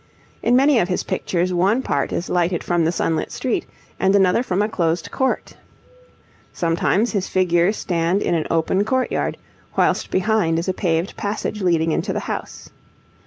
In many of his pictures one part is lighted from the sunlit street, and another from a closed court. Sometimes his figures stand in an open courtyard, whilst behind is a paved passage leading into the house.